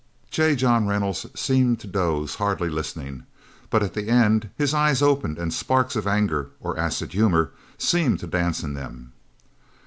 J. John Reynolds seemed to doze, hardly listening. But at the end his eyes opened, and sparks of anger or acid humor seemed to dance in them.